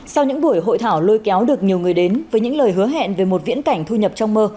sau những buổi hội thảo lôi kéo được nhiều người đến với những lời hứa hẹn về một viễn cảnh thu nhập trong mơ